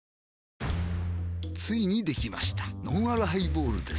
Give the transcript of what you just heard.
ついにできましたのんあるハイボールです